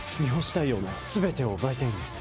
大陽の全てを奪いたいんです。